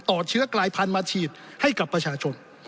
เชื้อกลายพันธุ์มาฉีดให้กับประชาชน